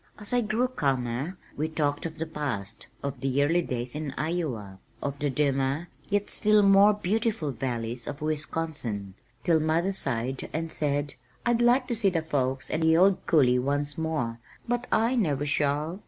As I grew calmer, we talked of the past, of the early days in Iowa, of the dimmer, yet still more beautiful valleys of Wisconsin, till mother sighed, and said, "I'd like to see the folks and the old coulee once more, but I never shall."